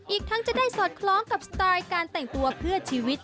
อีกทั้งจะได้สอดคล้องกับสไตล์การแต่งตัวเพื่อชีวิต